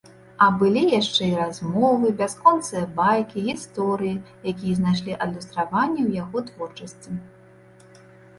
А былі яшчэ і размовы, бясконцыя байкі, гісторыі, якія знайшлі адлюстраванне ў яго творчасці.